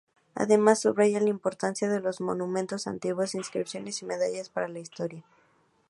Además subraya la importancia de los monumentos antiguos, inscripciones y medallas para la historia.